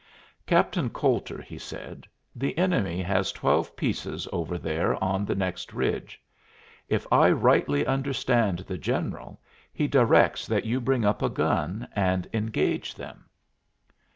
"Captain Coulter," he said, "the enemy has twelve pieces over there on the next ridge. If I rightly understand the general, he directs that you bring up a gun and engage them."